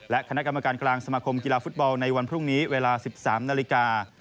และคณะกรรมการกลางสมาคมกีฬาฟุตบอลในวันพรุ่งนี้เวลา๑๓นาฬิกา